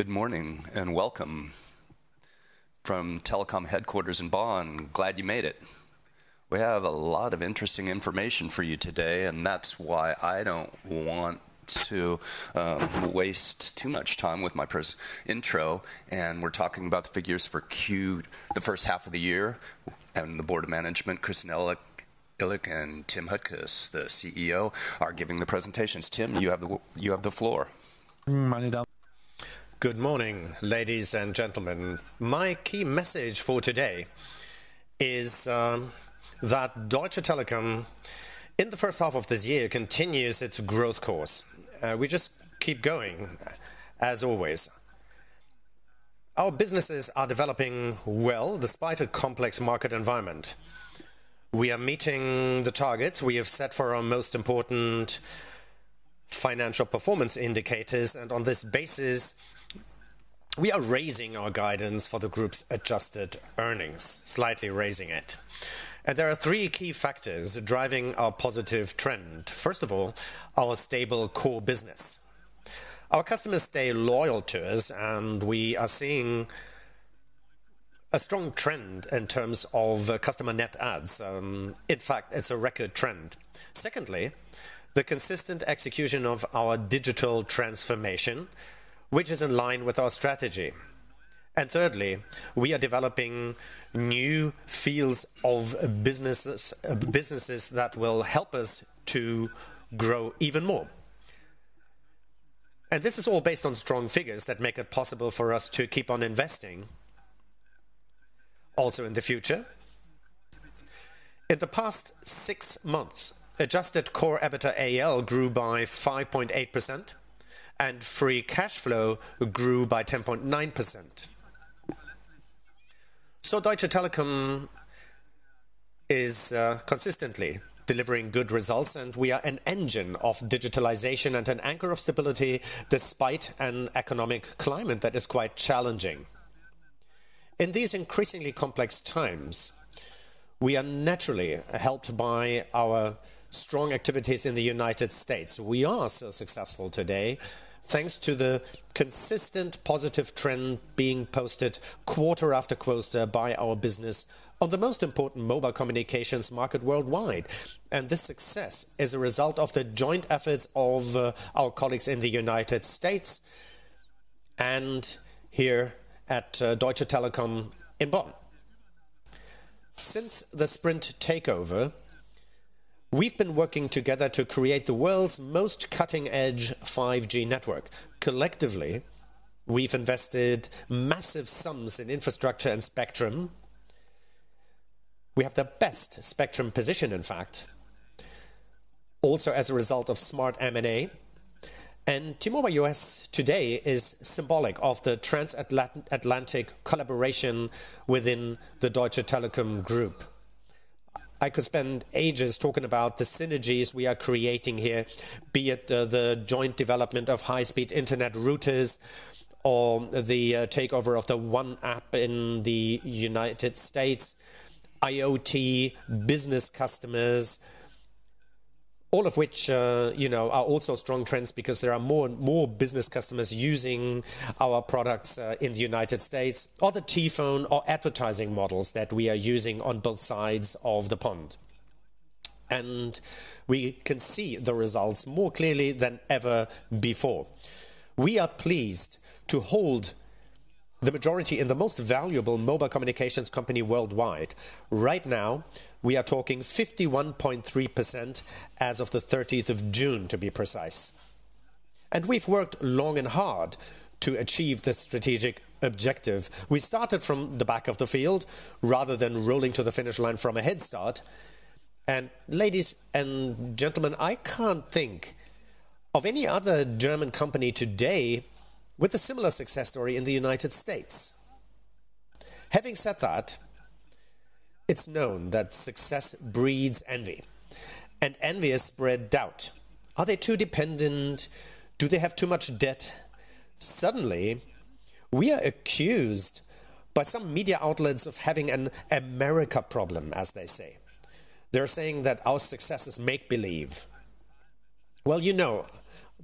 Good morning, welcome from Telekom Headquarters in Bonn. Glad you made it. We have a lot of interesting information for you today, and that's why I don't want to waste too much time with my intro, and we're talking about the figures for the first half of the year, and the Board of Management, Christian Illek, and Tim Höttges, the CEO, are giving the presentations. Tim, you have the floor. Good morning, ladies and gentlemen. My key message for today is that Deutsche Telekom, in the first half of this year, continues its growth course. We just keep going, as always. Our businesses are developing well despite a complex market environment. We are meeting the targets we have set for our most important financial performance indicators, and on this basis, we are raising our guidance for the group's adjusted earnings, slightly raising it. There are three key factors driving our positive trend. First of all, our stable core business. Our customers stay loyal to us, and we are seeing a strong trend in terms of customer net adds. In fact, it's a record trend. Secondly, the consistent execution of our digital transformation, which is in line with our strategy. Thirdly, we are developing new fields of businesses, businesses that will help us to grow even more. This is all based on strong figures that make it possible for us to keep on investing also in the future. In the past six months, adjusted core EBITDA AL grew by 5.8%, and free cash flow grew by 10.9%. Deutsche Telekom is consistently delivering good results, and we are an engine of digitalization and an anchor of stability despite an economic climate that is quite challenging. In these increasingly complex times, we are naturally helped by our strong activities in the United States. We are so successful today, thanks to the consistent positive trend being posted quarter after quarter by our business on the most important mobile communications market worldwide. This success is a result of the joint efforts of our colleagues in the United States and here at Deutsche Telekom in Bonn. Since the Sprint takeover, we've been working together to create the world's most cutting-edge 5G network. Collectively, we've invested massive sums in infrastructure and spectrum. We have the best spectrum position, in fact, also as a result of smart M&A. T-Mobile US today is symbolic of the transatlantic collaboration within the Deutsche Telekom group. I could spend ages talking about the synergies we are creating here, be it, the joint development of high-speed internet routers or the takeover of the One App in the United States, IoT business customers, all of which, you know, are also strong trends because there are more and more business customers using our products in the United States, or the T Phone or advertising models that we are using on both sides of the pond. We can see the results more clearly than ever before. We are pleased to hold the majority in the most valuable mobile communications company worldwide. Right now, we are talking 51.3% as of the 13th of June, to be precise. We've worked long and hard to achieve this strategic objective. We started from the back of the field rather than rolling to the finish line from a head start. Ladies and gentlemen, I can't think of any other German company today with a similar success story in the United States. Having said that, it's known that success breeds envy, and envy has spread doubt. Are they too dependent? Do they have too much debt? Suddenly, we are accused by some media outlets of having an America problem, as they say. They're saying that our success is make-believe. Well, you know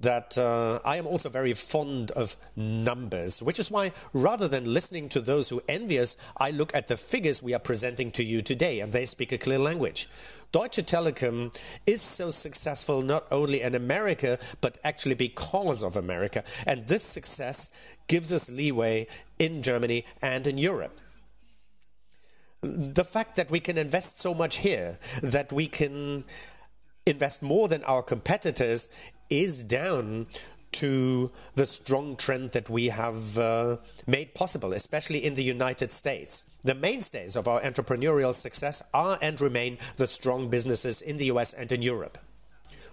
that, I am also very fond of numbers, which is why, rather than listening to those who envious, I look at the figures we are presenting to you today, and they speak a clear language. Deutsche Telekom is so successful not only in America, but actually because of America. This success gives us leeway in Germany and in Europe. The fact that we can invest so much here, that we can invest more than our competitors, is down to the strong trend that we have made possible, especially in the United States. The mainstays of our entrepreneurial success are and remain the strong businesses in the US and in Europe.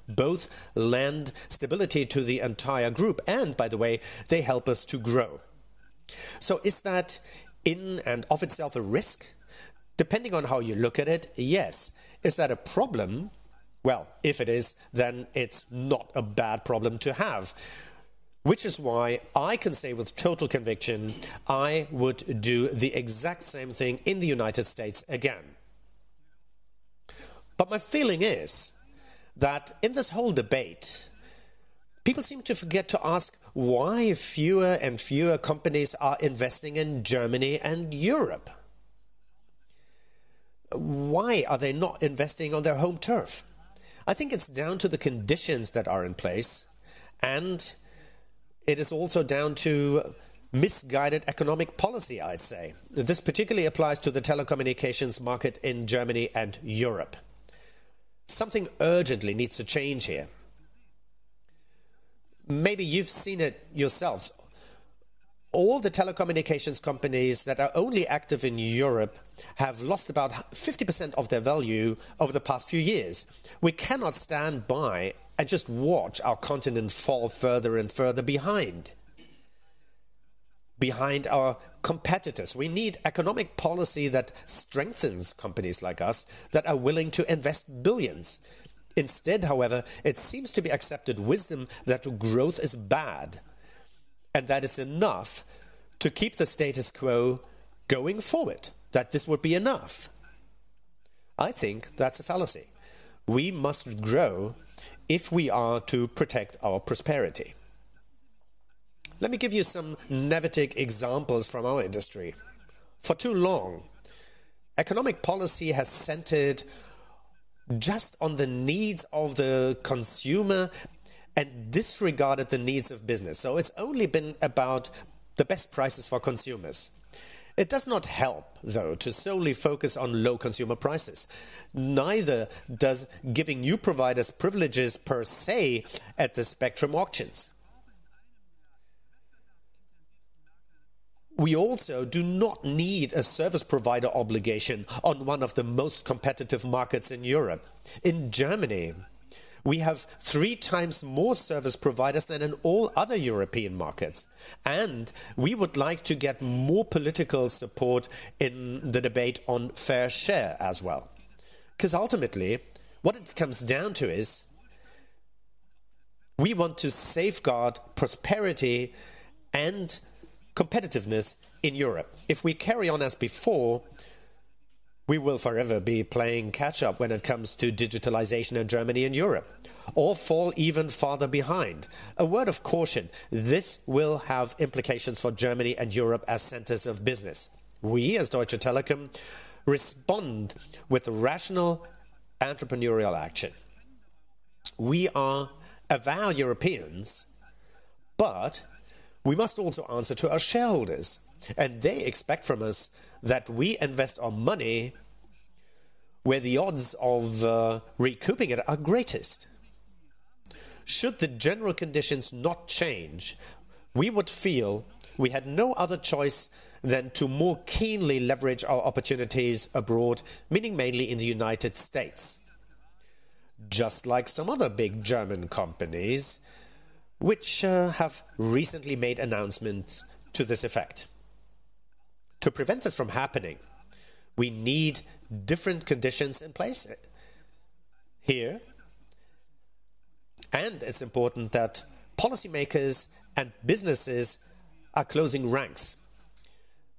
Both lend stability to the entire group, by the way, they help us to grow. Is that in and of itself a risk? Depending on how you look at it, yes. Is that a problem? Well, if it is, it's not a bad problem to have. Which is why I can say with total conviction, I would do the exact same thing in the United States again. My feeling is that in this whole debate, people seem to forget to ask why fewer and fewer companies are investing in Germany and Europe. Why are they not investing on their home turf? I think it's down to the conditions that are in place, and it is also down to misguided economic policy, I'd say. This particularly applies to the telecommunications market in Germany and Europe. Something urgently needs to change here. Maybe you've seen it yourselves. All the telecommunications companies that are only active in Europe have lost about 50% of their value over the past few years. We cannot stand by and just watch our continent fall further and further behind, behind our competitors. We need economic policy that strengthens companies like us that are willing to invest billions. Instead, however, it seems to be accepted wisdom that growth is bad, and that is enough to keep the status quo going forward, that this would be enough. I think that's a fallacy. We must grow if we are to protect our prosperity. Let me give you some Net-centric examples from our industry. For too long, economic policy has centered just on the needs of the consumer and disregarded the needs of business, so it's only been about the best prices for consumers. It does not help, though, to solely focus on low consumer prices. Neither does giving new providers privileges per se at the spectrum auctions. We also do not need a service provider obligation on one of the most competitive markets in Europe. In Germany, we have three times more service providers than in all other European markets. We would like to get more political support in the debate on fair share as well. 'Cause ultimately, what it comes down to is we want to safeguard prosperity and competitiveness in Europe. If we carry on as before, we will forever be playing catch up when it comes to digitalization in Germany and Europe or fall even farther behind. A word of caution, this will have implications for Germany and Europe as centers of business. We, as Deutsche Telekom, respond with rational entrepreneurial action. We are avid Europeans. We must also answer to our shareholders. They expect from us that we invest our money where the odds of recouping it are greatest. Should the general conditions not change, we would feel we had no other choice than to more keenly leverage our opportunities abroad, meaning mainly in the United States, just like some other big German companies which have recently made announcements to this effect. To prevent this from happening, we need different conditions in place here, and it's important that policymakers and businesses are closing ranks.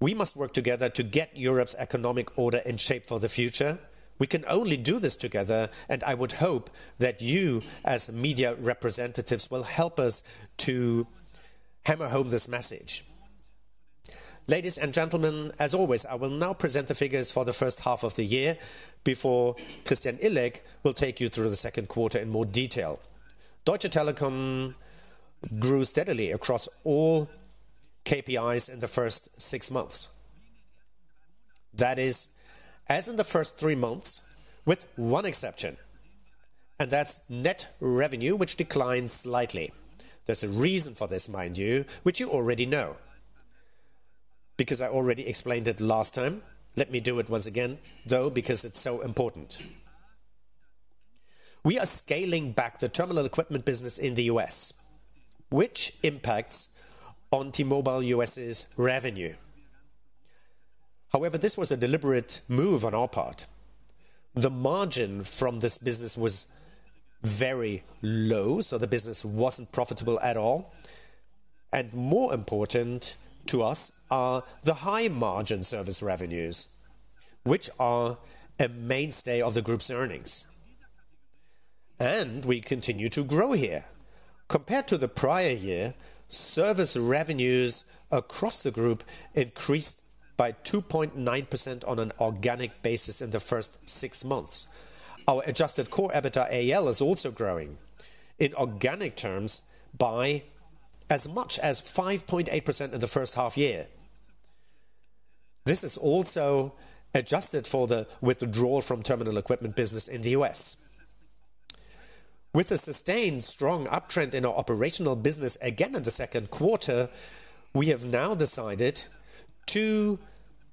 We must work together to get Europe's economic order in shape for the future. We can only do this together, and I would hope that you, as media representatives, will help us to hammer home this message. Ladies and gentlemen, as always, I will now present the figures for the first half of the year before Christian Illek will take you through the second quarter in more detail. Deutsche Telekom grew steadily across all KPIs in the first six months. That is, as in the first three months, with one exception, that's net revenue, which declined slightly. There's a reason for this, mind you, which you already know, because I already explained it last time. Let me do it once again, though, because it's so important. We are scaling back the terminal equipment business in the U.S., which impacts on T-Mobile US's revenue. However, this was a deliberate move on our part. The margin from this business was very low, so the business wasn't profitable at all. More important to us are the high margin service revenues, which are a mainstay of the group's earnings. We continue to grow here. Compared to the prior year, service revenues across the group increased by 2.9% on an organic basis in the first six months. Our adjusted core EBITDA AL is also growing in organic terms by as much as 5.8% in the first half year. This is also adjusted for the withdrawal from terminal equipment business in the US. With a sustained strong uptrend in our operational business again in the second quarter, we have now decided to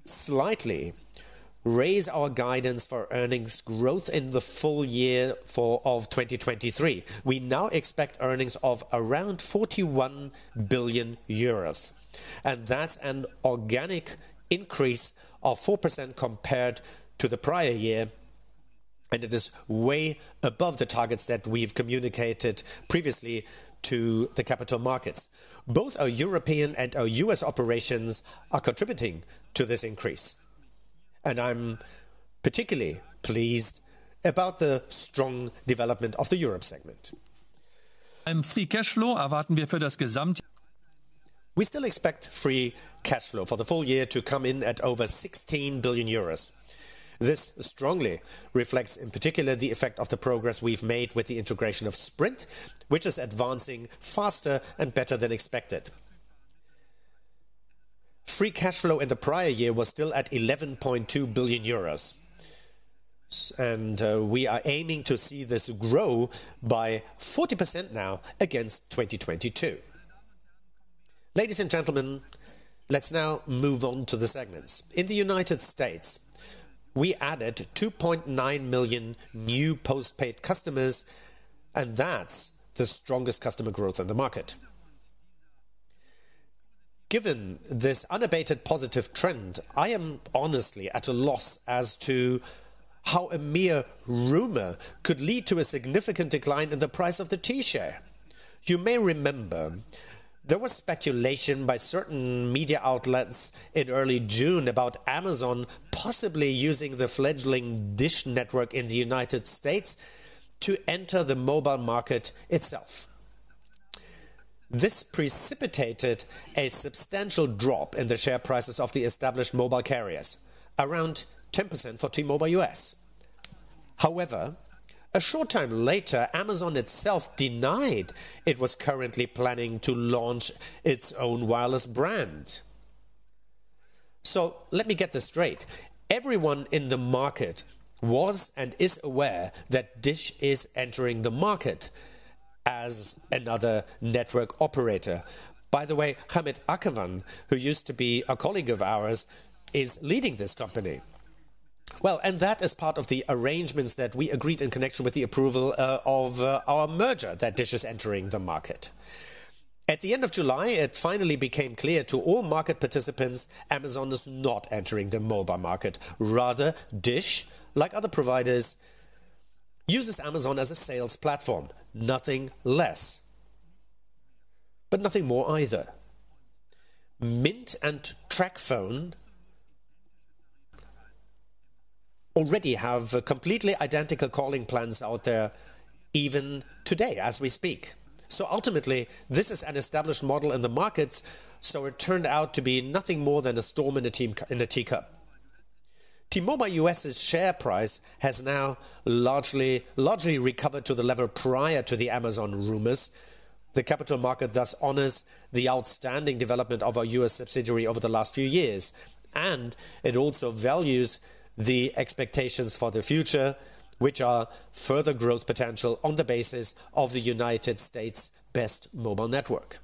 slightly raise our guidance for earnings growth in the full year for 2023. We now expect earnings of around 41 billion euros, and that's an organic increase of 4% compared to the prior year, and it is way above the targets that we've communicated previously to the capital markets. Both our European and our US operations are contributing to this increase, and I'm particularly pleased about the strong development of the Europe segment. free cash flow, erwartet wir für das Gesamt- We still expect free cash flow for the full year to come in at over 16 billion euros. This strongly reflects, in particular, the effect of the progress we've made with the integration of Sprint, which is advancing faster and better than expected. Free cash flow in the prior year was still at 11.2 billion euros. We are aiming to see this grow by 40% now against 2022. Ladies and gentlemen, let's now move on to the segments. In the United States, we added 2.9 million new postpaid customers. That's the strongest customer growth in the market. Given this unabated positive trend, I am honestly at a loss as to how a mere rumor could lead to a significant decline in the price of the T-Share. You may remember there was speculation by certain media outlets in early June about Amazon possibly using the fledgling Dish Network in the United States to enter the mobile market itself. This precipitated a substantial drop in the share prices of the established mobile carriers, around 10% for T-Mobile US. A short time later, Amazon itself denied it was currently planning to launch its own wireless brand. Let me get this straight. Everyone in the market was and is aware that Dish is entering the market as another network operator. By the way, Hamid Akhavan, who used to be a colleague of ours, is leading this company. Well, that is part of the arrangements that we agreed in connection with the approval of our merger, that Dish is entering the market. At the end of July, it finally became clear to all market participants, Amazon is not entering the mobile market. Rather, DISH, like other providers, uses Amazon as a sales platform. Nothing less, but nothing more either. Mint and TracFone already have completely identical calling plans out there, even today as we speak. Ultimately, this is an established model in the markets, so it turned out to be nothing more than a storm in a teacup. T-Mobile US's share price has now largely, largely recovered to the level prior to the Amazon rumors. The capital market thus honors the outstanding development of our US subsidiary over the last few years, and it also values the expectations for the future, which are further growth potential on the basis of the United States' best mobile network.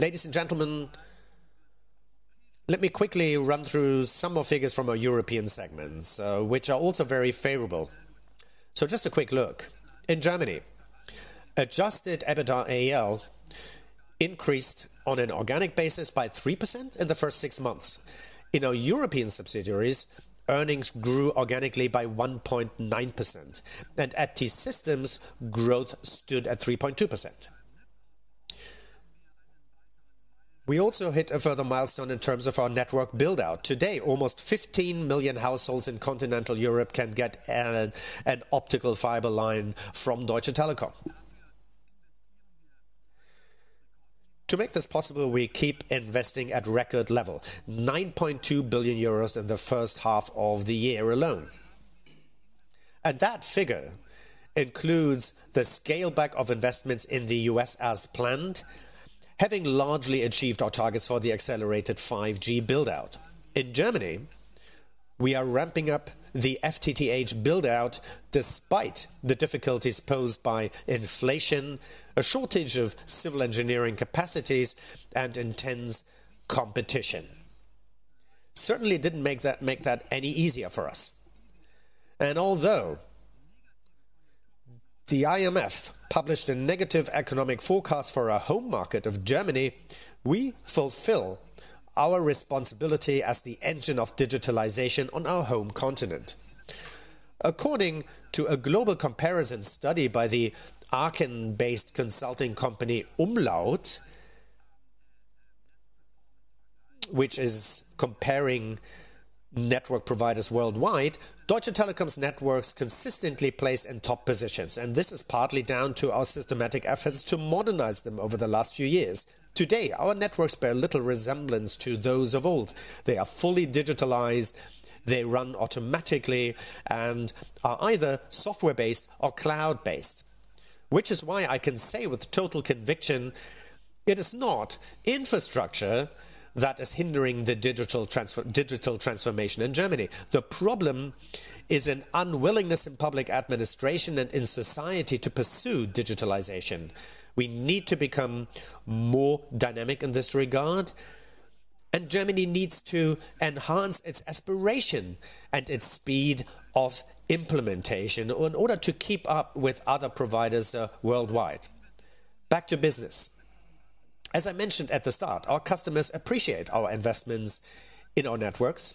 Ladies and gentlemen, let me quickly run through some more figures from our European segments, which are also very favorable. Just a quick look. In Germany, adjusted EBITDA AL increased on an organic basis by 3% in the first six months. In our European subsidiaries, earnings grew organically by 1.9%, and at T-Systems, growth stood at 3.2%. We also hit a further milestone in terms of our network build-out. Today, almost 15 million households in continental Europe can get an optical fiber line from Deutsche Telekom. To make this possible, we keep investing at record level, 9.2 billion euros in the first half of the year alone. That figure includes the scale back of investments in the U.S. as planned, having largely achieved our targets for the accelerated 5G build-out. In Germany, we are ramping up the FTTH build-out despite the difficulties posed by inflation, a shortage of civil engineering capacities, and intense competition. Certainly didn't make that, make that any easier for us. Although the IMF published a negative economic forecast for our home market of Germany, we fulfill our responsibility as the engine of digitalization on our home continent. According to a global comparison study by the Aachen-based consulting company, Umlaut, which is comparing network providers worldwide, Deutsche Telekom's networks consistently place in top positions, and this is partly down to our systematic efforts to modernize them over the last few years. Today, our networks bear little resemblance to those of old. They are fully digitalized, they run automatically and are either software-based or cloud-based. Which is why I can say with total conviction, it is not infrastructure that is hindering the digital transfor-- digital transformation in Germany. The problem is an unwillingness in public administration and in society to pursue digitalization. We need to become more dynamic in this regard. Germany needs to enhance its aspiration and its speed of implementation in order to keep up with other providers worldwide. Back to business. As I mentioned at the start, our customers appreciate our investments in our networks.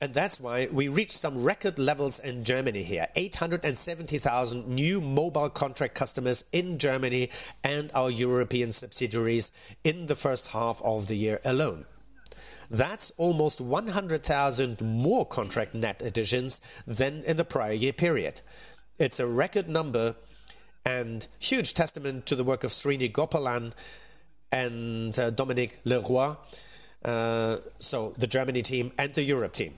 That's why we reached some record levels in Germany here, 870,000 new mobile contract customers in Germany and our European subsidiaries in the first half of the year alone. That's almost 100,000 more contract net additions than in the prior year period. It's a record number and huge testament to the work of Srini Gopalan and Dominique Leroy, so the Germany team and the Europe team.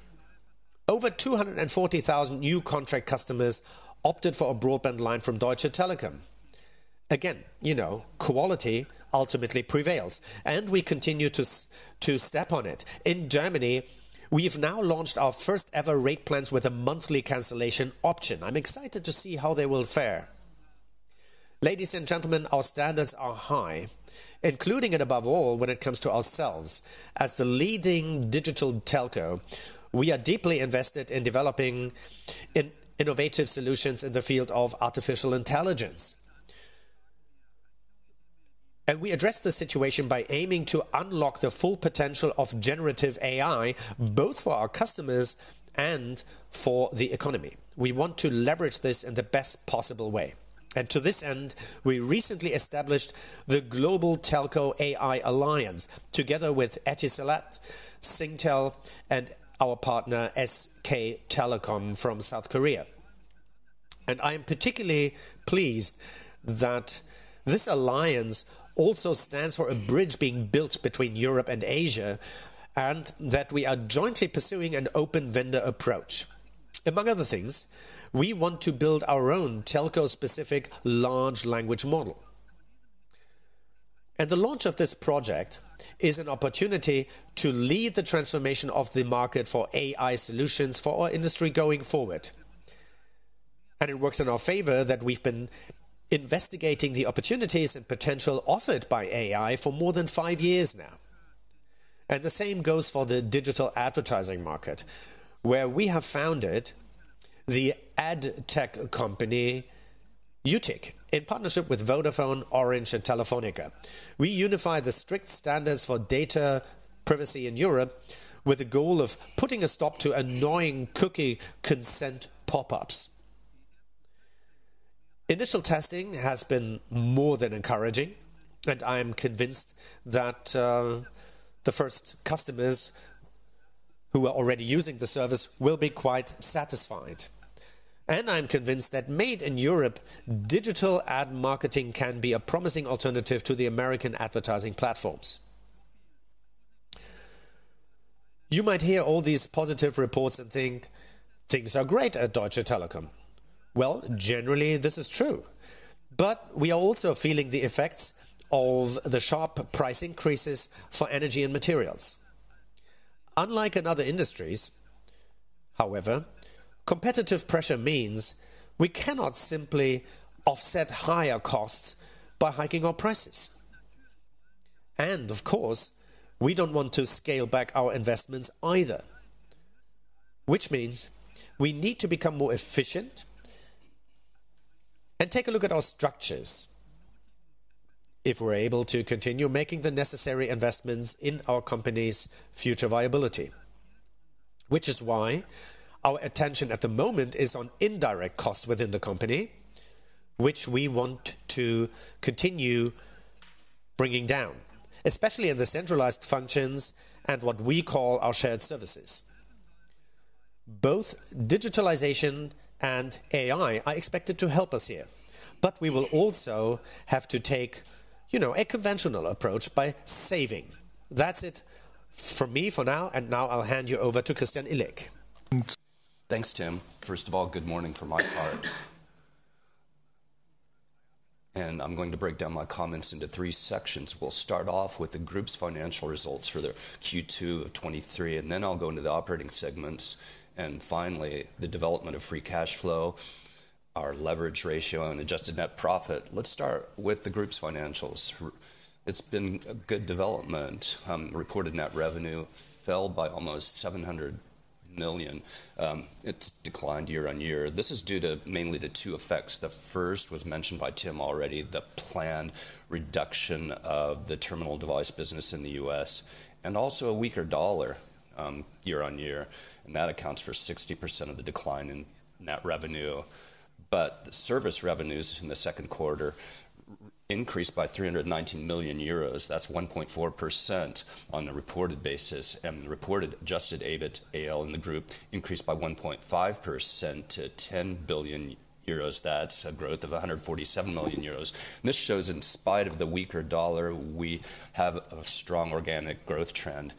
Over 240,000 new contract customers opted for a broadband line from Deutsche Telekom. Again, you know, quality ultimately prevails, and we continue to step on it. In Germany, we've now launched our first ever rate plans with a monthly cancellation option. I'm excited to see how they will fare. Ladies and gentlemen, our standards are high, including and above all, when it comes to ourselves. As the leading digital telco, we are deeply invested in developing innovative solutions in the field of artificial intelligence. We address the situation by aiming to unlock the full potential of generative AI, both for our customers and for the economy. We want to leverage this in the best possible way. To this end, we recently established the Global Telco AI Alliance, together with Etisalat, Singtel and our partner, SK Telecom, from South Korea. I am particularly pleased that this Alliance also stands for a bridge being built between Europe and Asia, and that we are jointly pursuing an open vendor approach. Among other things, we want to build our own telco-specific large language model. The launch of this project is an opportunity to lead the transformation of the market for AI solutions for our industry going forward. It works in our favor that we've been investigating the opportunities and potential offered by AI for more than five years now. The same goes for the digital advertising market, where we have founded the ad tech company, UTIC, in partnership with Vodafone, Orange, and Telefónica. We unify the strict standards for data privacy in Europe with the goal of putting a stop to annoying cookie consent pop-ups. Initial testing has been more than encouraging. I am convinced that the first customers who are already using the service will be quite satisfied. I'm convinced that made in Europe, digital ad marketing can be a promising alternative to the American advertising platforms. You might hear all these positive reports and think, "Things are great at Deutsche Telekom." Well, generally this is true, but we are also feeling the effects of the sharp price increases for energy and materials. Unlike in other industries, however, competitive pressure means we cannot simply offset higher costs by hiking our prices. Of course, we don't want to scale back our investments either, which means we need to become more efficient and take a look at our structures if we're able to continue making the necessary investments in our company's future viability. Which is why our attention at the moment is on indirect costs within the company, which we want to continue bringing down, especially in the centralized functions and what we call our shared services. Both digitalization and AI are expected to help us here, we will also have to take, you know, a conventional approach by saving. That's it for me for now, now I'll hand you over to Christian Illek. Thanks, Tim. First of all, good morning from my part. I'm going to break down my comments into three sections. We'll start off with the group's financial results for their Q2 of 2023, and then I'll go into the operating segments, and finally, the development of free cash flow, our leverage ratio and adjusted net profit. Let's start with the group's financials. It's been a good development. Reported net revenue fell by almost 700 million. It's declined year-on-year. This is due to mainly the two effects. The first was mentioned by Tim already, the planned reduction of the terminal device business in the US, and also a weaker dollar year-on-year, and that accounts for 60% of the decline in net revenue. The service revenues in the second quarter increased by 319 million euros. That's 1.4% on the reported basis, and the reported adjusted EBIT AL in the group increased by 1.5% to 10 billion euros. That's a growth of 147 million euros. This shows, in spite of the weaker dollar, we have a strong organic growth trend.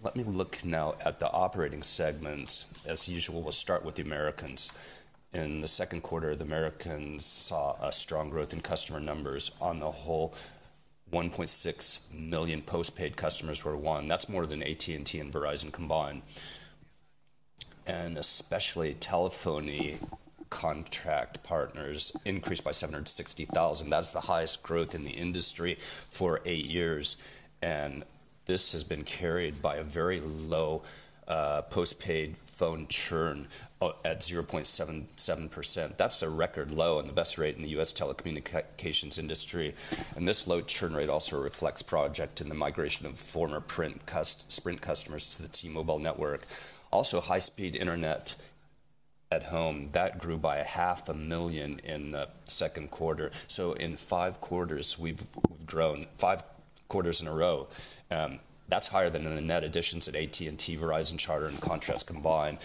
Let me look now at the operating segments. As usual, we'll start with the Americans. In the second quarter, the Americans saw a strong growth in customer numbers. On the whole, 1.6 million postpaid customers were won. That's more than AT&T and Verizon combined. Especially, telephony contract partners increased by 760,000. That's the highest growth in the industry for 8 years, and this has been carried by a very low postpaid phone churn at 0.77%. That's a record low and the best rate in the U.S. telecommunications industry. This low churn rate also reflects project in the migration of former Sprint customers to the T-Mobile network. Also, high-speed internet at home, that grew by $500,000 in the second quarter. In five quarters, we've grown five quarters in a row. That's higher than the net additions at AT&T, Verizon, Charter, and Comcast combined,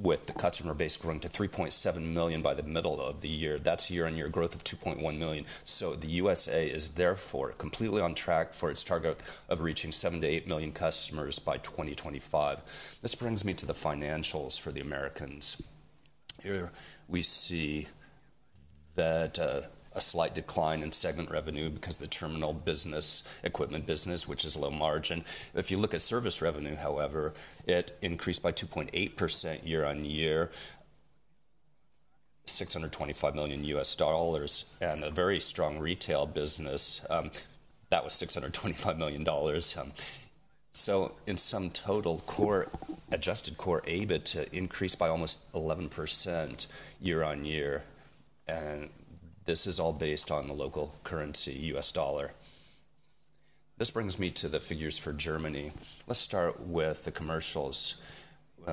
with the customer base growing to 3.7 million by the middle of the year. That's a year-over-year growth of 2.1 million. The U.S.A. is therefore completely on track for its target of reaching 7 million-8 million customers by 2025. This brings me to the financials for the Americans. Here, we see that, a slight decline in segment revenue because the terminal business, equipment business, which is low margin. If you look at service revenue, however, it increased by 2.8% year-on-year, $625 million, and a very strong retail business, that was $625 million. In sum total, core-- adjusted core EBITDA increased by almost 11% year-on-year, and this is all based on the local currency, US dollar. This brings me to the figures for Germany. Let's start with the commercials.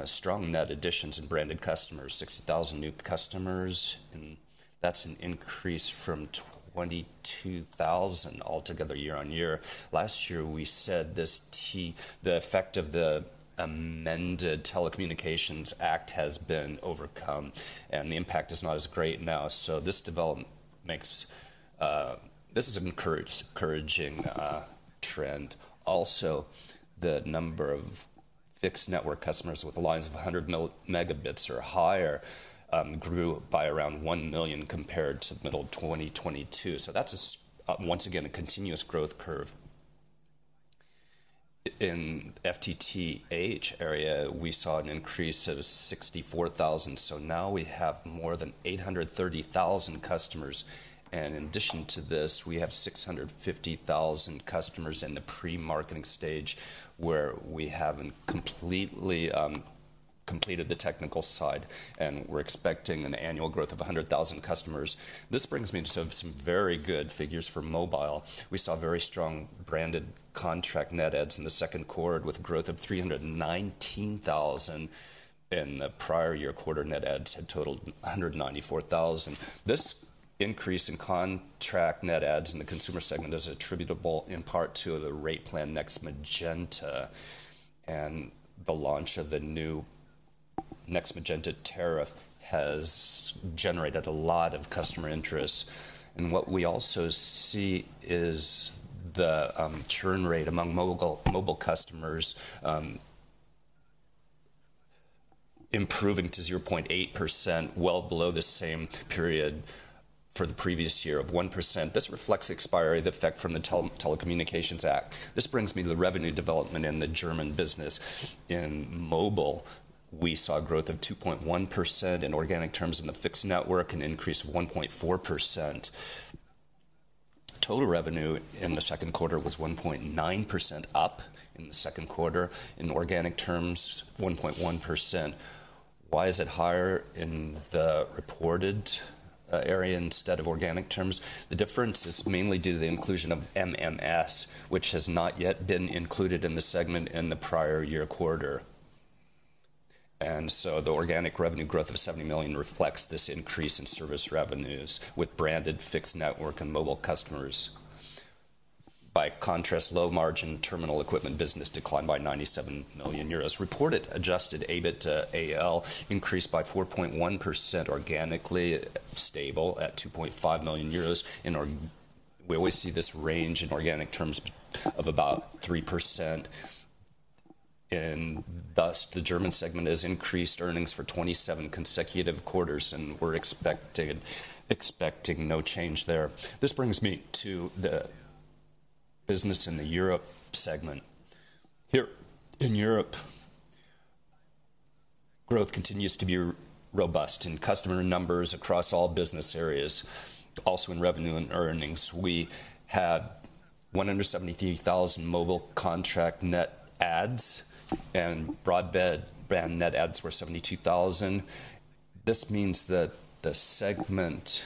strong net additions in branded customers, 60,000 new customers, and that's an increase from 22,000 altogether year-on-year. Last year, we said this T- the effect of the amended Telecommunications Act has been overcome, and the impact is not as great now. This development makes. This is an encouraging trend. The number of fixed network customers with lines of 100 megabits or higher grew by around 1 million compared to the middle of 2022. That's once again a continuous growth curve. In FTTH area, we saw an increase of 64,000. Now we have more than 830,000 customers, and in addition to this, we have 650,000 customers in the pre-marketing stage, where we haven't completely completed the technical side, and we're expecting an annual growth of 100,000 customers. This brings me to some very good figures for mobile. We saw very strong branded contract net adds in the second quarter, with growth of 319,000. In the prior year quarter, net adds had totaled 194,000. This increase in contract net adds in the consumer segment is attributable in part to the rate plan, Next Magenta, and the launch of the new Next Magenta tariff has generated a lot of customer interest. What we also see is the churn rate among mobile customers improving to 0.8%, well below the same period for the previous year of 1%. This reflects the expiry, the effect from the Telecommunications Act. This brings me to the revenue development in the German business. In mobile, we saw a growth of 2.1% in organic terms. In the fixed network, an increase of 1.4%. Total revenue in the second quarter was 1.9% up in the second quarter. In organic terms, 1.1%. Why is it higher in the reported area instead of organic terms? The difference is mainly due to the inclusion of MMS, which has not yet been included in the segment in the prior year quarter. So the organic revenue growth of 70 million reflects this increase in service revenues with branded fixed network and mobile customers. By contrast, low-margin terminal equipment business declined by 97 million euros. Reported adjusted EBITDA AL increased by 4.1%, organically stable at 2.5 million euros. We always see this range in organic terms of about 3%. Thus, the German segment has increased earnings for 27 consecutive quarters, and we're expecting no change there. This brings me to the business in the Europe segment. Here in Europe, growth continues to be robust in customer numbers across all business areas, also in revenue and earnings. We had 173,000 mobile contract net adds, and broadband net adds were 72,000. This means that the segment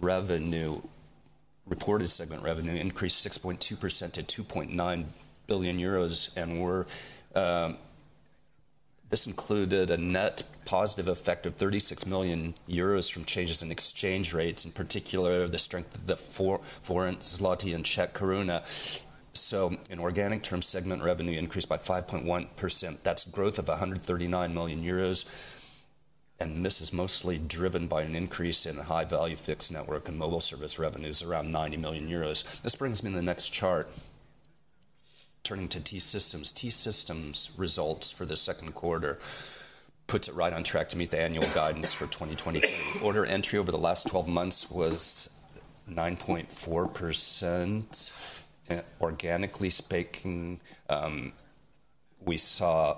revenue-- reported segment revenue increased 6.2% to 2.9 billion euros. This included a net positive effect of 36 million euros from changes in exchange rates, in particular, the strength of the Polish złoty and Czech koruna. In organic terms, segment revenue increased by 5.1%. That's growth of 139 million euros, and this is mostly driven by an increase in the high-value fixed network and mobile service revenues, around 90 million euros. This brings me to the next chart. Turning to T-Systems. T-Systems results for the second quarter puts it right on track to meet the annual guidance for 2023. Order entry over the last 12 months was 9.4%. Organically speaking, we saw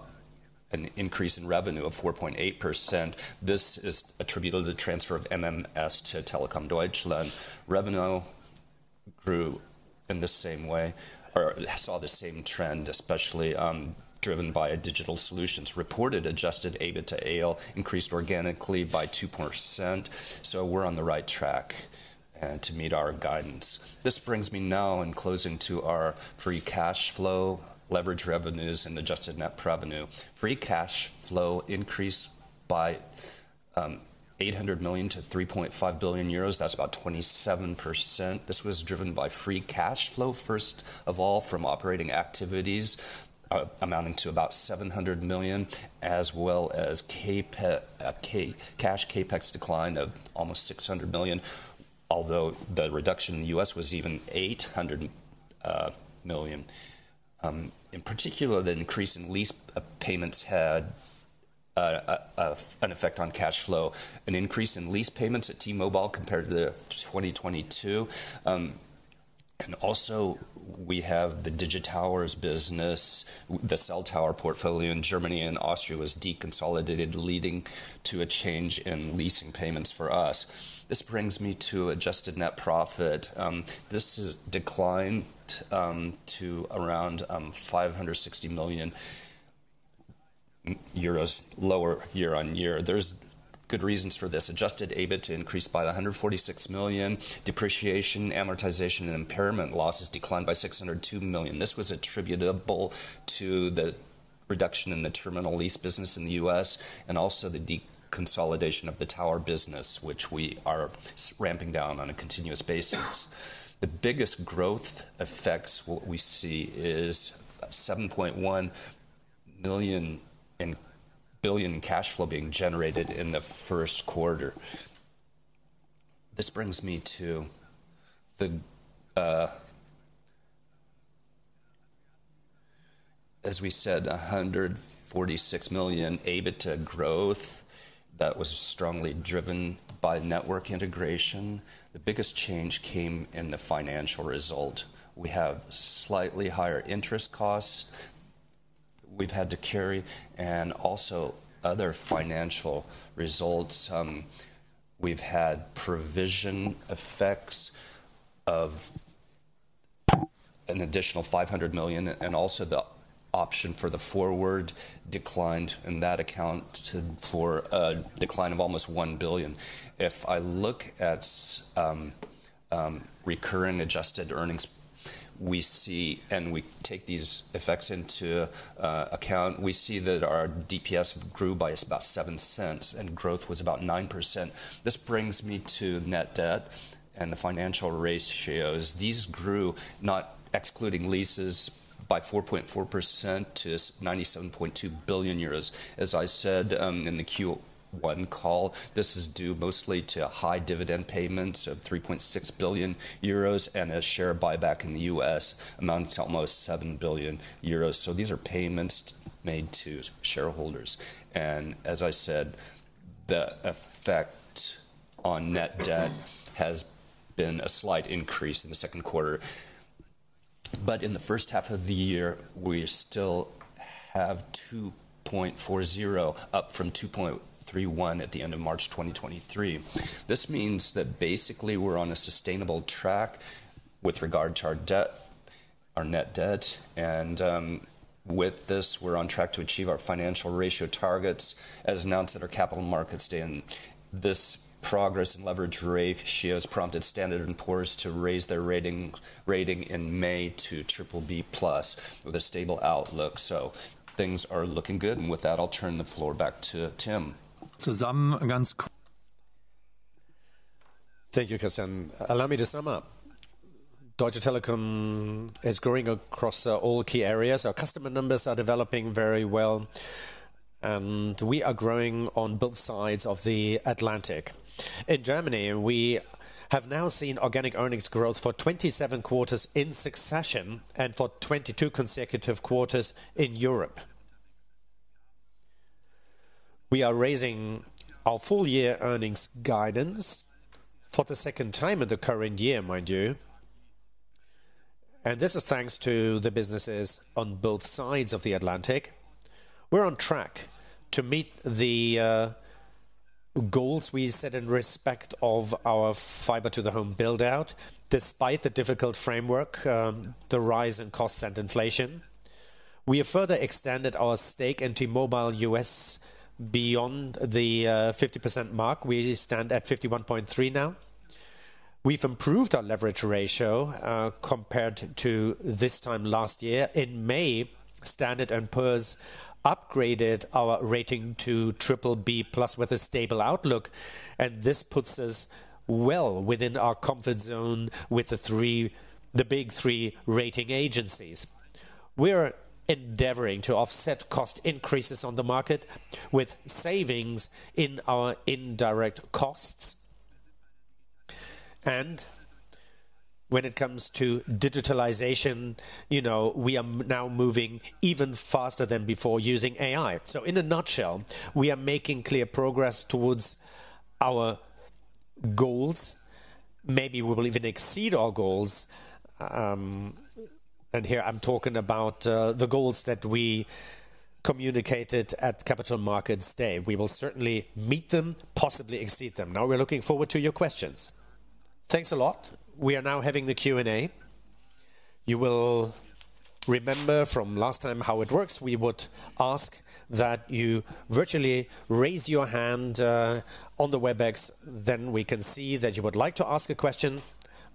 an increase in revenue of 4.8%. This is attributable to the transfer of MMS to Telekom Deutschland. Revenue grew in the same way or saw the same trend, especially, driven by digital solutions. Reported adjusted EBITDA AL increased organically by 2%, so we're on the right track to meet our guidance. This brings me now in closing to our free cash flow, leverage revenues and adjusted net revenue. Free cash flow increased by 800 million to 3.5 billion euros, that's about 27%. This was driven by free cash flow, first of all, from operating activities, amounting to about 700 million, as well as Capex cash Capex decline of almost 600 million, although the reduction in the U.S. was even 800 million. In particular, the increase in lease payments had an effect on cash flow. An increase in lease payments at T-Mobile compared to the 2022. And also we have the GD Towers business. The cell tower portfolio in Germany and Austria was deconsolidated, leading to a change in leasing payments for us. This brings me to adjusted net profit. This is declined to around 560 million euros, lower year-over-year. There's good reasons for this. Adjusted EBITDA AL increased by 146 million. Depreciation, amortization, and impairment losses declined by 602 million. This was attributable to the reduction in the terminal lease business in the U.S., and also the deconsolidation of the tower business, which we are ramping down on a continuous basis. The biggest growth effects what we see is 7.1 million, in billion in cash flow being generated in the first quarter. This brings me to the... As we said, 146 million EBITDA growth that was strongly driven by network integration. The biggest change came in the financial result. We have slightly higher interest costs we've had to carry, and also other financial results. We've had provision effects of an additional 500 million, and also the option for the forward declined, and that accounted for a decline of almost 1 billion. If I look at recurring adjusted earnings, we see and we take these effects into account, we see that our DPS grew by about 0.07, and growth was about 9%. This brings me to net debt and the financial ratios. These grew, not excluding leases, by 4.4% to 97.2 billion euros. As I said, in the Q1 call, this is due mostly to high dividend payments of 3.6 billion euros, and a share buyback in the U.S. amounts to almost 7 billion euros. These are payments made to shareholders, and as I said, the effect on net debt has been a slight increase in the second quarter. In the first half of the year, we still have 2.40, up from 2.31 at the end of March 2023. This means that basically, we're on a sustainable track with regard to our debt, our net debt, and, with this, we're on track to achieve our financial ratio targets, as announced at our Capital Markets Day. This progress in leverage ratios prompted Standard & Poor's to raise their rating, rating in May to BBB+, with a stable outlook. Things are looking good, and with that, I'll turn the floor back to Tim. Thank you, Christian. Allow me to sum up. Deutsche Telekom is growing across all key areas. Our customer numbers are developing very well, and we are growing on both sides of the Atlantic. In Germany, we have now seen organic earnings growth for 27 quarters in succession and for 22 consecutive quarters in Europe. We are raising our full-year earnings guidance for the second time in the current year, mind you, and this is thanks to the businesses on both sides of the Atlantic. We're on track to meet the goals we set in respect of our fiber to the home build-out, despite the difficult framework, the rise in costs and inflation. We have further extended our stake in T-Mobile US beyond the 50% mark. We stand at 51.3 now. We've improved our leverage ratio compared to this time last year. In May, Standard & Poor's upgraded our rating to BBB+ with a stable outlook, this puts us well within our comfort zone with the big three rating agencies. When it comes to digitalization, you know, we are now moving even faster than before using AI. In a nutshell, we are making clear progress towards our goals. Maybe we will even exceed our goals. Here I'm talking about the goals that we communicated at Capital Markets Day. We will certainly meet them, possibly exceed them. We're looking forward to your questions. Thanks a lot. We are now having the Q&A. You will remember from last time how it works. We would ask that you virtually raise your hand on the WebEx, then we can see that you would like to ask a question.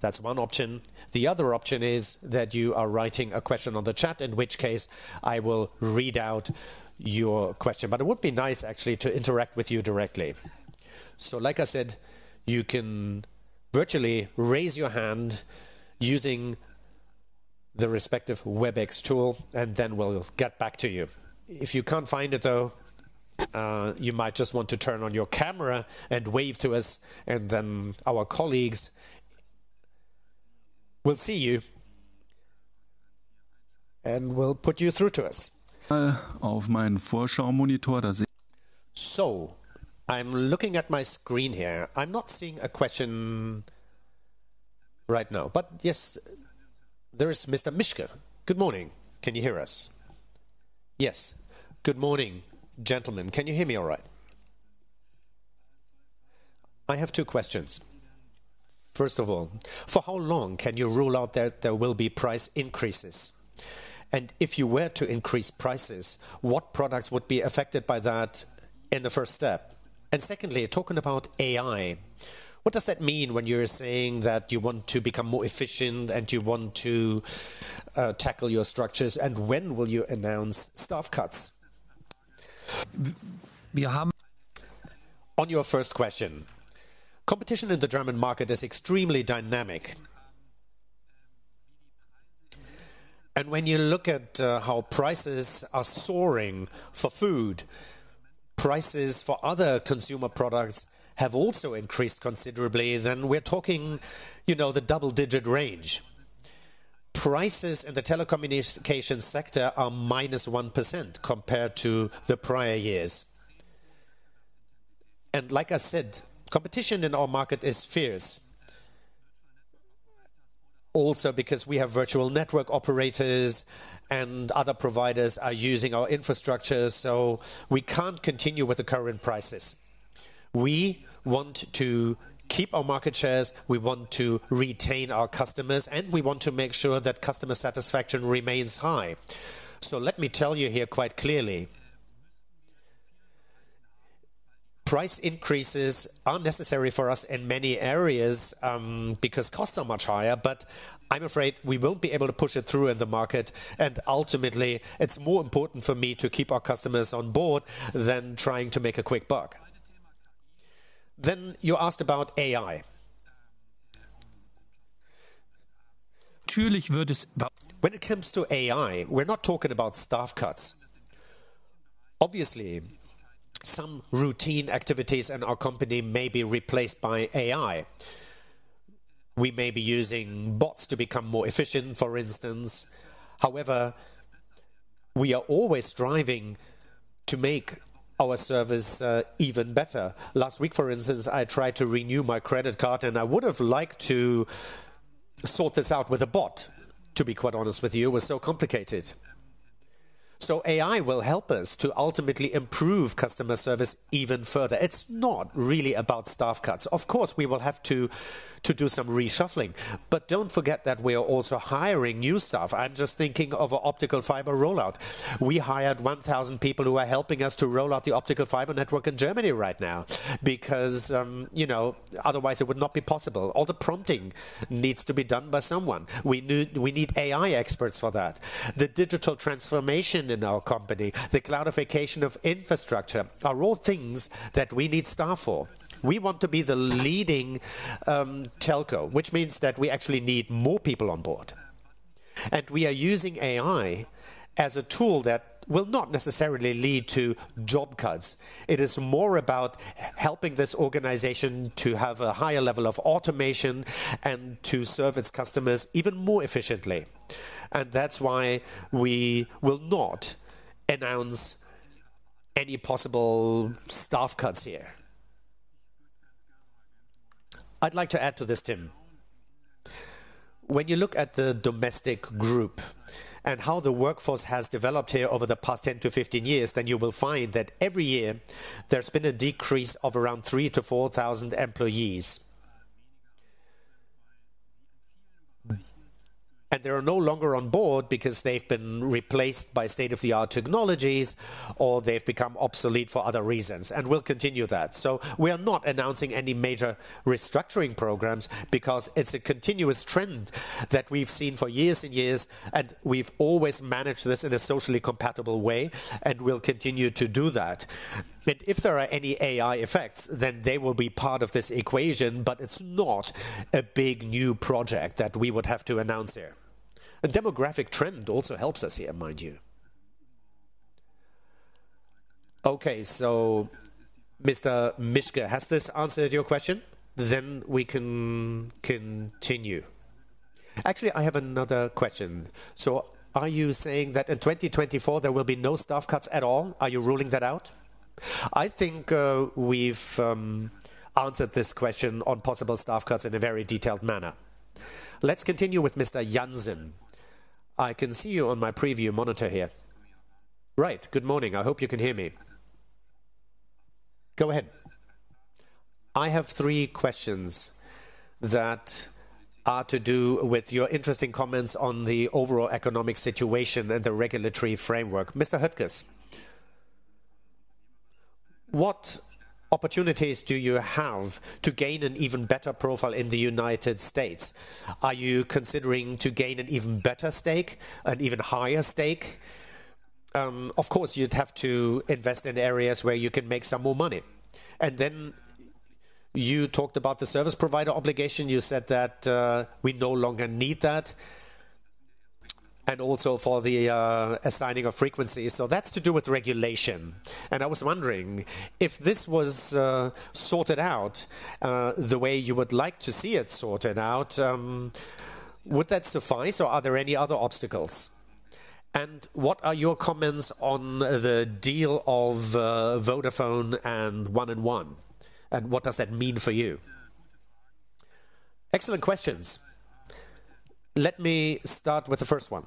That's one option. The other option is that you are writing a question on the chat, in which case I will read out your question. It would be nice actually, to interact with you directly. Like I said, you can virtually raise your hand using the respective WebEx tool, and then we'll get back to you. If you can't find it, though, you might just want to turn on your camera and wave to us, and then our colleagues will see you and will put you through to us. I'm looking at my screen here. I'm not seeing a question right now, but yes, there is Mr. Mishka. Good morning. Can you hear us? Yes. Good morning, gentlemen. Can you hear me all right? I have two questions. First of all, for how long can you rule out that there will be price increases? If you were to increase prices, what products would be affected by that in the first step? Secondly, talking about AI, what does that mean when you're saying that you want to become more efficient and you want to tackle your structures? When will you announce staff cuts? On your first question, competition in the German market is extremely dynamic. When you look at how prices are soaring for food, prices for other consumer products have also increased considerably. We're talking, you know, the double-digit range. Prices in the telecommunication sector are minus 1% compared to the prior years. Like I said, competition in our market is fierce. Because we have virtual network operators and other providers are using our infrastructure, we can't continue with the current prices. We want to keep our market shares, we want to retain our customers, and we want to make sure that customer satisfaction remains high. Let me tell you here quite clearly, price increases are necessary for us in many areas, because costs are much higher, but I'm afraid we won't be able to push it through in the market, and ultimately, it's more important for me to keep our customers on board than trying to make a quick buck. You asked about AI. When it comes to AI, we're not talking about staff cuts. Obviously, some routine activities in our company may be replaced by AI. We may be using bots to become more efficient for instance. However, we are always striving to make our service even better. Last week, for instance, I tried to renew my credit card and I would have liked to sort this out with a bot, to be quite honest with you. It was so complicated. AI will help us to ultimately improve customer service even further. It's not really about staff cuts. Of course, we will have to do some reshuffling, but don't forget that we are also hiring new staff. I'm just thinking of optical fiber rollout. We hired 1,000 people who are helping us to roll out the optical fiber network in Germany right now, because, you know, otherwise it would not be possible. All the prompting needs to be done by someone. We need, we need AI experts for that. The digital transformation in our company, the cloudification of infrastructure, are all things that we need staff for. We want to be the leading, telco, which means that we actually need more people on board. We are using AI as a tool that will not necessarily lead to job cuts. It is more about helping this organization to have a higher level of automation and to serve its customers even more efficiently. That's why we will not announce any possible staff cuts here. I'd like to add to this, Tim. When you look at the domestic group and how the workforce has developed here over the past 10-15 years, then you will find that every year there's been a decrease of around 3,000-4,000 employees. They are no longer on board because they've been replaced by state-of-the-art technologies, or they've become obsolete for other reasons, and we'll continue that. We are not announcing any major restructuring programs because it's a continuous trend that we've seen for years and years, and we've always managed this in a socially compatible way, and we'll continue to do that. If there are any AI effects, then they will be part of this equation, but it's not a big new project that we would have to announce here. A demographic trend also helps us here, mind you. Okay, Mr. Mischka, has this answered your question? We can continue. Actually, I have another question. Are you saying that in 2024, there will be no staff cuts at all? Are you ruling that out? I think we've answered this question on possible staff cuts in a very detailed manner. Let's continue with Mr. Janzen. I can see you on my preview monitor here. Right. Good morning. I hope you can hear me. Go ahead. I have 3 questions that are to do with your interesting comments on the overall economic situation and the regulatory framework. Mr. Höttges? What opportunities do you have to gain an even better profile in the United States? Are you considering to gain an even better stake, an even higher stake? Of course, you'd have to invest in areas where you can make some more money. You talked about the service provider obligation. You said that we no longer need that, and also for the assigning of frequencies. That's to do with regulation. I was wondering if this was sorted out, the way you would like to see it sorted out, would that suffice, or are there any other obstacles? What are your comments on the deal of Vodafone and 1&1, and what does that mean for you? Excellent questions. Let me start with the first one.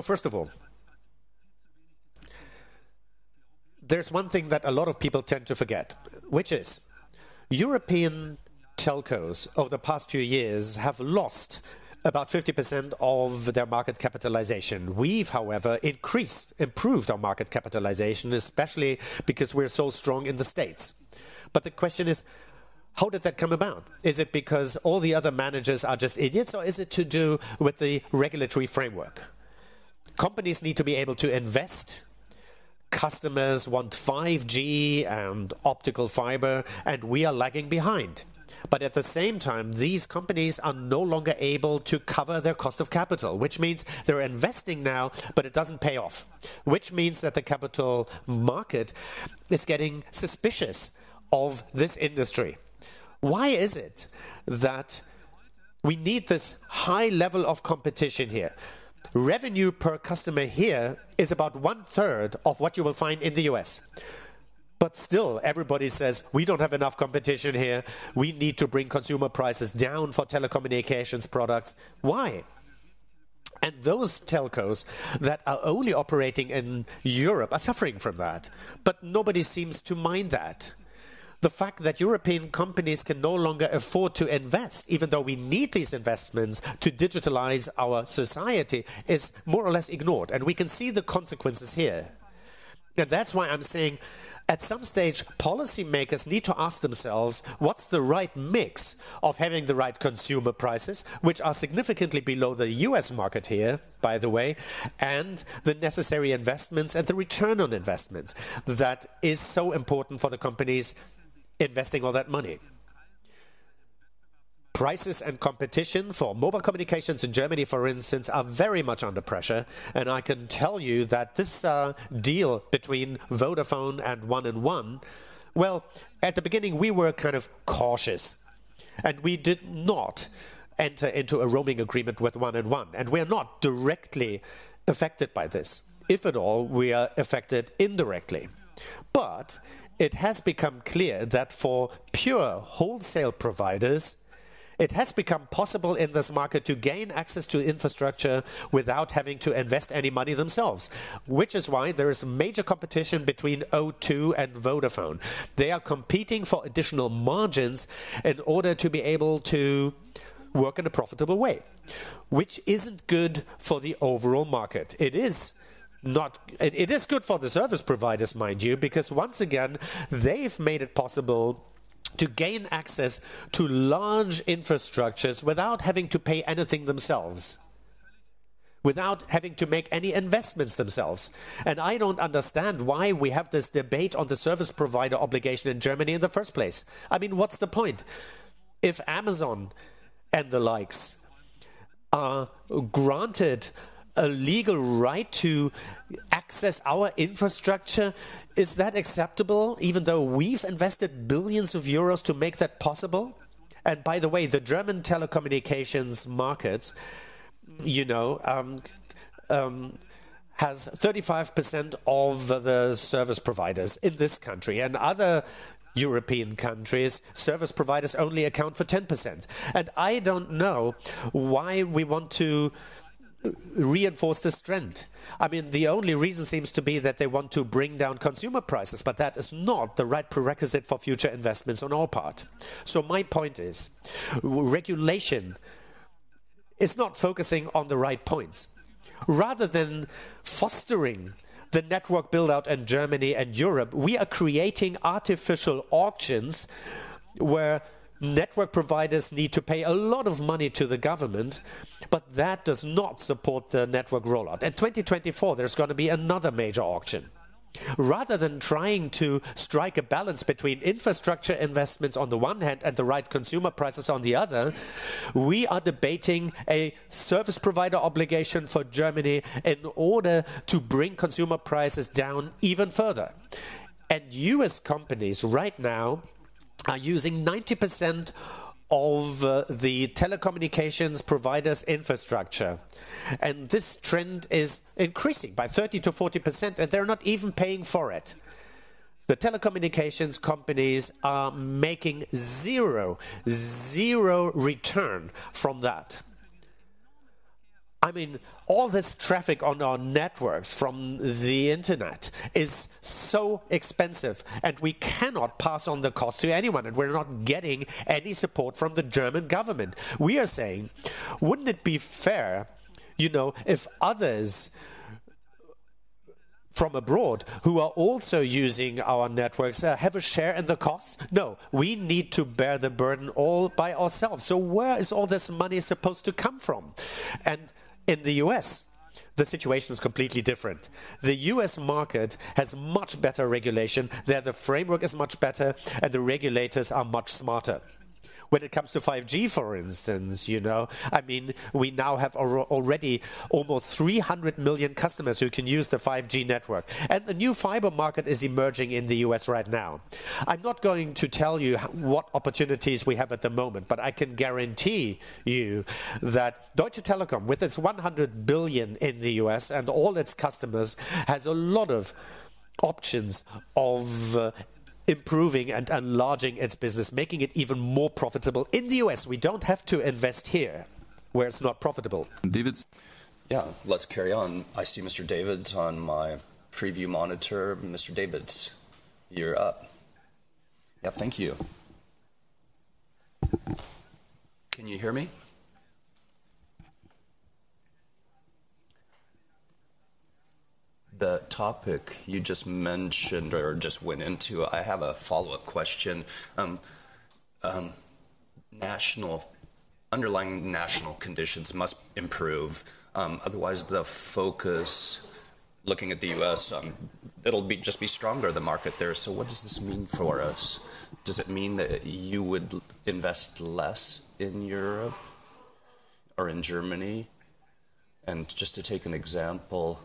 First of all, there's one thing that a lot of people tend to forget, which is European telcos over the past few years have lost about 50% of their market capitalization. We've, however, increased, improved our market capitalization, especially because we're so strong in the States. The question is: how did that come about? Is it because all the other managers are just idiots, or is it to do with the regulatory framework? Companies need to be able to invest. Customers want 5G and optical fiber, and we are lagging behind. At the same time, these companies are no longer able to cover their cost of capital, which means they're investing now, but it doesn't pay off, which means that the capital market is getting suspicious of this industry. Why is it that we need this high level of competition here? Revenue per customer here is about one-third of what you will find in the U.S. Still, everybody says, "We don't have enough competition here. We need to bring consumer prices down for telecommunications products." Why? Those telcos that are only operating in Europe are suffering from that, but nobody seems to mind that. The fact that European companies can no longer afford to invest, even though we need these investments to digitalize our society, is more or less ignored, and we can see the consequences here. That's why I'm saying at some stage, policymakers need to ask themselves, what's the right mix of having the right consumer prices, which are significantly below the U.S. market here, by the way, and the necessary investments and the return on investment that is so important for the companies investing all that money. Prices and competition for mobile communications in Germany, for instance, are very much under pressure, and I can tell you that this deal between Vodafone and 1&1. Well, at the beginning, we were kind of cautious. We did not enter into a roaming agreement with 1&1. We are not directly affected by this. If at all, we are affected indirectly. It has become clear that for pure wholesale providers, it has become possible in this market to gain access to infrastructure without having to invest any money themselves, which is why there is major competition between O2 and Vodafone. They are competing for additional margins in order to be able to work in a profitable way, which isn't good for the overall market. It is not, it is good for the service providers, mind you, because once again, they've made it possible to gain access to large infrastructures without having to pay anything themselves, without having to make any investments themselves. I don't understand why we have this debate on the service provider obligation in Germany in the first place. I mean, what's the point? If Amazon and the likes are granted a legal right to access our infrastructure, is that acceptable, even though we've invested billions of EUR to make that possible? By the way, the German telecommunications market, you know, has 35% of the service providers in this country and other European countries, service providers only account for 10%. I don't know why we want to reinforce this trend. I mean, the only reason seems to be that they want to bring down consumer prices, but that is not the right prerequisite for future investments on our part. My point is, regulation is not focusing on the right points. Rather than fostering the network build-out in Germany and Europe, we are creating artificial auctions where network providers need to pay a lot of money to the government, but that does not support the network rollout. In 2024, there's going to be another major auction. Rather than trying to strike a balance between infrastructure investments on the one hand and the right consumer prices on the other, we are debating a service provider obligation for Germany in order to bring consumer prices down even further. U.S. companies right now are using 90% of the telecommunications providers' infrastructure, and this trend is increasing by 30%-40%, and they're not even paying for it. The telecommunications companies are making zero, zero return from that. I mean, all this traffic on our networks from the Internet-... is so expensive, and we cannot pass on the cost to anyone, and we're not getting any support from the German government. We are saying: Wouldn't it be fair, you know, if others from abroad who are also using our networks, have a share in the cost? No, we need to bear the burden all by ourselves. Where is all this money supposed to come from? In the U.S., the situation is completely different. The U.S. market has much better regulation. There, the framework is much better, and the regulators are much smarter. When it comes to 5G, for instance, you know, I mean, we now have already almost 300 million customers who can use the 5G network. The new fiber market is emerging in the US right now. I'm not going to tell you what opportunities we have at the moment, but I can guarantee you that Deutsche Telekom, with its $100 billion in the US and all its customers, has a lot of options of improving and enlarging its business, making it even more profitable in the US. We don't have to invest here where it's not profitable. Davids? Yeah. Let's carry on. I see Mr. Davids on my preview monitor. Mr. Davids, you're up. Yeah, thank you. Can you hear me? The topic you just mentioned or just went into, I have a follow-up question. underlying national conditions must improve, otherwise, the focus, looking at the U.S., it'll just be stronger, the market there. What does this mean for us? Does it mean that you would invest less in Europe or in Germany? Just to take an example,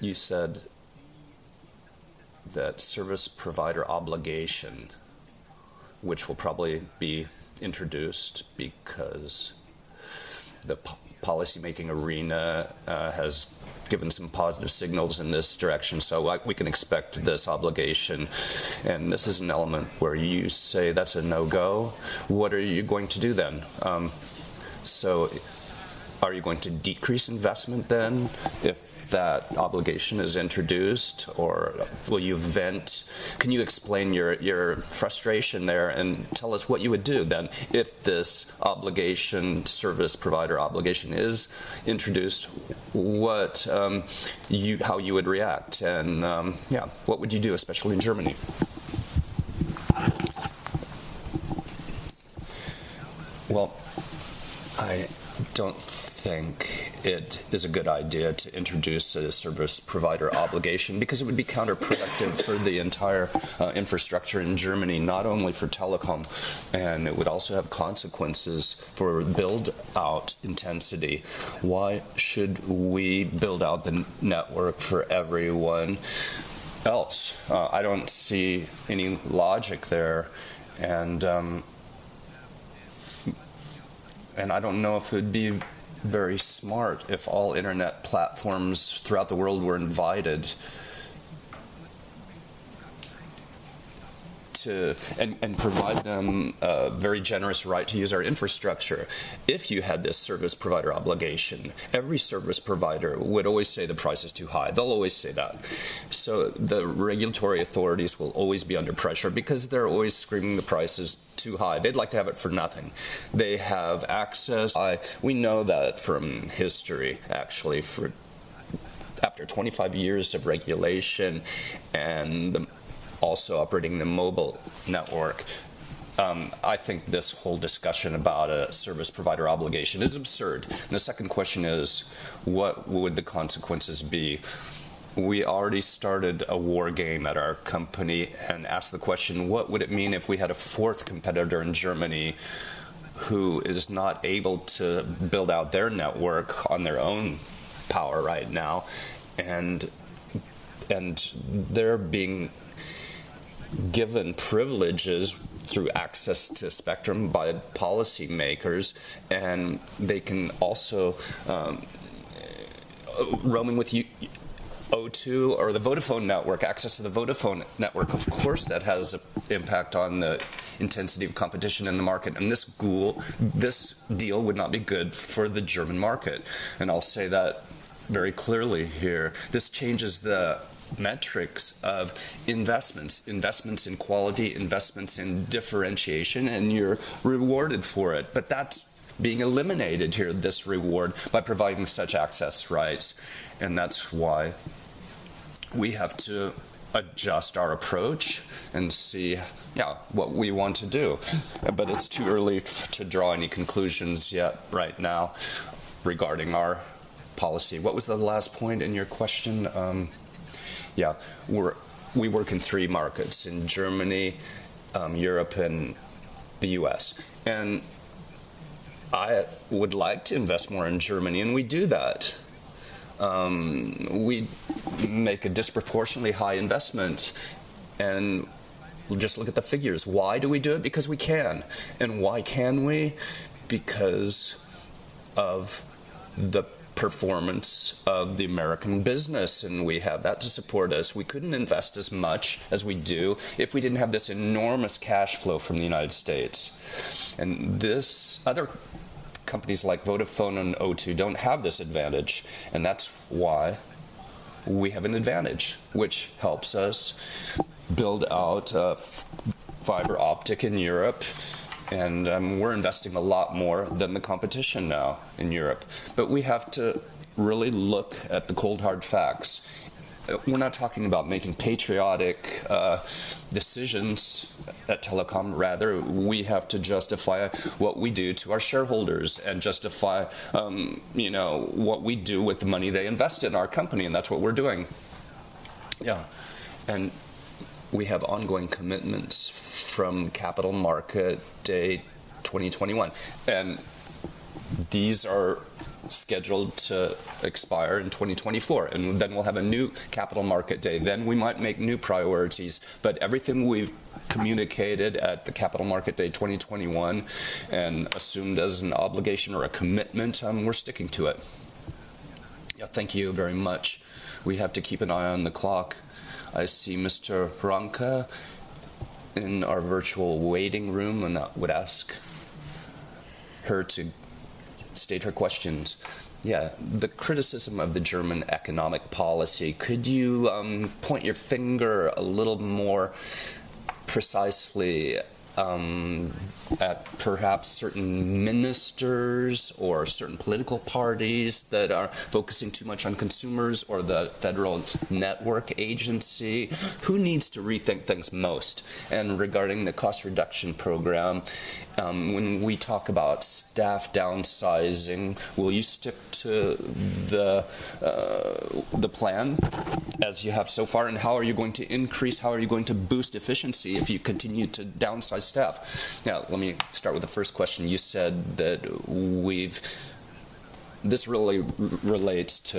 you said that service provider obligation, which will probably be introduced because the policymaking arena has given some positive signals in this direction, so like we can expect this obligation, and this is an element where you say, "That's a no-go." What are you going to do then? Are you going to decrease investment then, if that obligation is introduced, or will you vent? Can you explain your, your frustration there and tell us what you would do then? If this obligation, service provider obligation, is introduced, what, how you would react and, yeah, what would you do, especially in Germany? Well, I don't think it is a good idea to introduce a service provider obligation because it would be counterproductive for the entire infrastructure in Germany, not only for Telekom, and it would also have consequences for build-out intensity. Why should we build out the network for everyone else? I don't see any logic there, and I don't know if it'd be very smart if all internet platforms throughout the world were invited to... and provide them a very generous right to use our infrastructure. If you had this service provider obligation, every service provider would always say the price is too high. They'll always say that. The regulatory authorities will always be under pressure because they're always screaming the price is too high. They'd like to have it for nothing. They have access. We know that from history, actually, for after 25 years of regulation and also operating the mobile network, I think this whole discussion about a service provider obligation is absurd. The second question is: What would the consequences be? We already started a war game at our company and asked the question, what would it mean if we had a fourth competitor in Germany who is not able to build out their network on their own power right now, and, and they're being given privileges through access to spectrum by policymakers, and they can also, roaming with O2 or the Vodafone network, access to the Vodafone network? Of course, that has an impact on the intensity of competition in the market, and this deal would not be good for the German market, and I'll say that very clearly here. This changes the metrics of investments, investments in quality, investments in differentiation, and you're rewarded for it. That's being eliminated here, this reward, by providing such access rights, and that's why we have to adjust our approach and see what we want to do. It's too early to draw any conclusions yet right now regarding our policy. What was the last point in your question? Yeah, we work in three markets, in Germany, Europe, and the U.S. I would like to invest more in Germany, and we do that. We make a disproportionately high investment, and just look at the figures. Why do we do it? Because we can. Why can we? Because of the performance of the American business, and we have that to support us. We couldn't invest as much as we do if we didn't have this enormous cash flow from the United States. This other... companies like Vodafone and O2 don't have this advantage, and that's why we have an advantage, which helps us build out fiber optic in Europe. We're investing a lot more than the competition now in Europe. We have to really look at the cold, hard facts. We're not talking about making patriotic decisions at Telekom. Rather, we have to justify what we do to our shareholders and justify, you know, what we do with the money they invest in our company, and that's what we're doing. Yeah, we have ongoing commitments from Capital Markets Day 2021, and these are scheduled to expire in 2024, and then we'll have a new Capital Markets Day. We might make new priorities, but everything we've communicated at the Capital Markets Day 2021 and assumed as an obligation or a commitment, we're sticking to it. Thank you very much. We have to keep an eye on the clock. I see Mr. Franke in our virtual waiting room, and I would ask her to state her questions. The criticism of the German economic policy, could you point your finger a little more precisely at perhaps certain ministers or certain political parties that are focusing too much on consumers or the Federal Network Agency? Who needs to rethink things most? Regarding the cost reduction program, when we talk about staff downsizing, will you stick to the plan as you have so far? How are you going to increase, how are you going to boost efficiency if you continue to downsize staff? Now, let me start with the first question. You said that this really relates to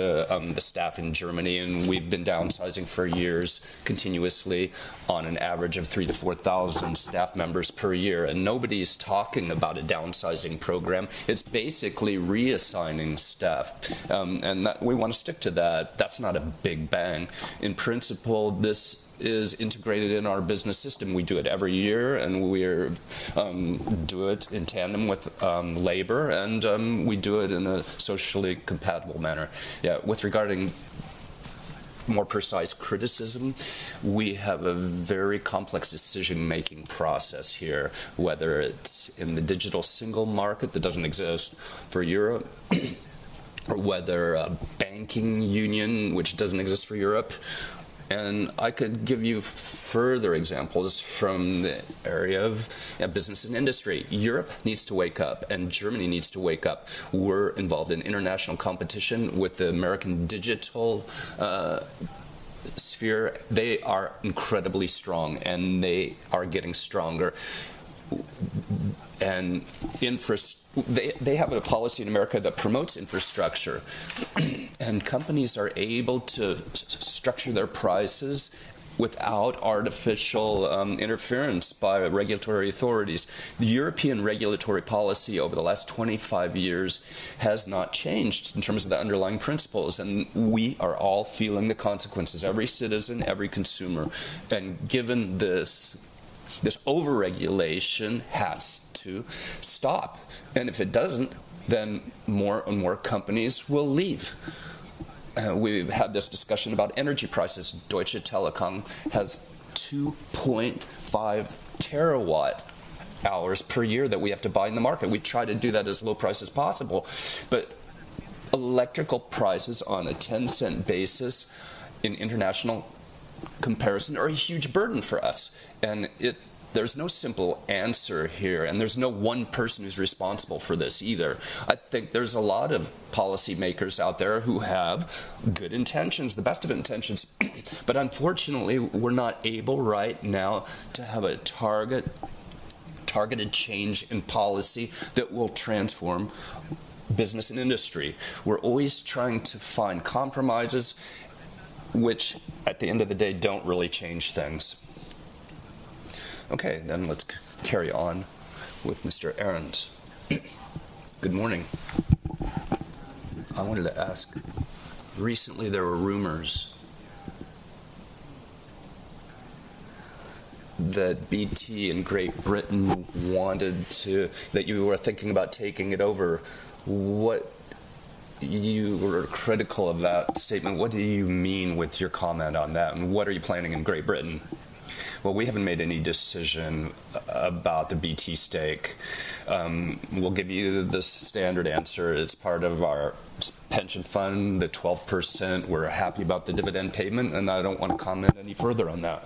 the staff in Germany, and we've been downsizing for years, continuously, on an average of 3,000-4,000 staff members per year, and nobody's talking about a downsizing program. It's basically reassigning staff, and that we want to stick to that. That's not a big bang. In principle, this is integrated in our business system. We do it every year, and we're do it in tandem with labor, and we do it in a socially compatible manner. Yeah, with regarding more precise criticism, we have a very complex decision-making process here, whether it's in the Digital Single Market that doesn't exist for Europe, or whether a Banking Union, which doesn't exist for Europe. I could give you further examples from the area of business and industry. Europe needs to wake up, and Germany needs to wake up. We're involved in international competition with the American digital sphere. They are incredibly strong, and they are getting stronger. They, they have a policy in America that promotes infrastructure, and companies are able to structure their prices without artificial interference by regulatory authorities. The European regulatory policy over the last 25 years has not changed in terms of the underlying principles, and we are all feeling the consequences, every citizen, every consumer. Given this, this overregulation has to stop, and if it doesn't, then more and more companies will leave. We've had this discussion about energy prices. Deutsche Telekom has 2.5 terawatt hours per year that we have to buy in the market. We try to do that as low price as possible, but electrical prices on a 10-cent basis in international comparison are a huge burden for us. There's no simple answer here, and there's no one person who's responsible for this either. I think there's a lot of policymakers out there who have good intentions, the best of intentions, but unfortunately, we're not able right now to have a target, targeted change in policy that will transform business and industry. We're always trying to find compromises, which, at the end of the day, don't really change things. Okay, let's carry on with Mr. Ahrens. Good morning. I wanted to ask, recently, there were rumors that BT in Great Britain wanted to-- that you were thinking about taking it over. What. You were critical of that statement. What do you mean with your comment on that, and what are you planning in Great Britain? Well, we haven't made any decision about the BT stake. We'll give you the standard answer. It's part of our pension fund, the 12%. We're happy about the dividend payment, and I don't want to comment any further on that.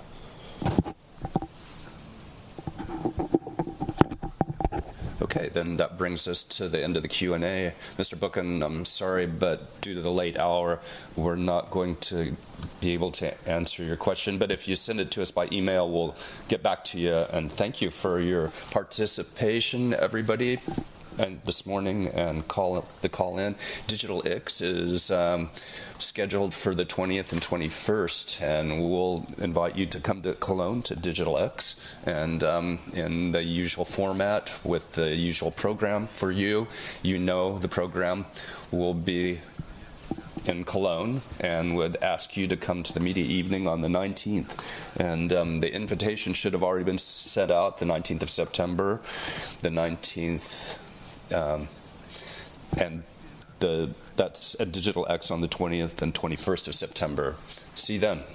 Okay, that brings us to the end of the Q&A. Mr. Buchan, I'm sorry, but due to the late hour, we're not going to be able to answer your question. If you send it to us by email, we'll get back to you. Thank you for your participation, everybody, and this morning and call, the call-in. Digital X is scheduled for the 20th and 21st, and we'll invite you to come to Cologne to Digital X and, in the usual format with the usual program for you. You know the program will be in Cologne and would ask you to come to the media evening on the 19th. The invitation should have already been sent out, the 19th of September. The 19th, that's at Digital X on the 20th and 21st of September. See you then.